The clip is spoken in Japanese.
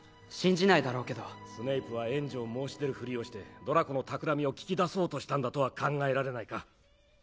信じないだろうけどスネイプは援助を申し出るふりをしてドラコのたくらみを聞き出そうとしたんだとは考えられないか？